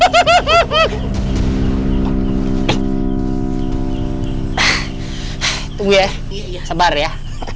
tunggu ya sabar ya